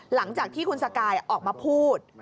หลังจากที่คุณสกายออกมาพูด